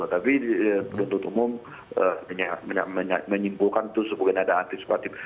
tapi penuntut umum menyimpulkan itu sebagainya ada antisipatif